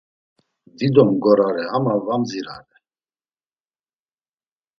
Dido mgorare ama var mdzirare.